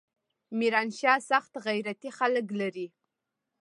ميرانشاه سخت غيرتي خلق لري.